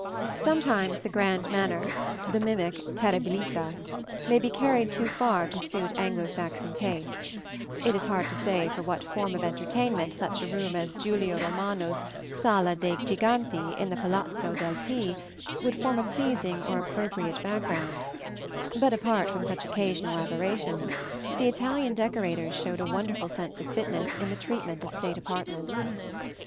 Sometimes the "grand manner" the mimic terribilità may be carried too far to suit Anglo Saxon taste it is hard to say for what form of entertainment such a room as Giulio Romano's Sala dei Giganti in the Palazzo del T would form a pleasing or appropriate background but apart from such occasional aberrations, the Italian decorators showed a wonderful sense of fitness in the treatment of state apartments.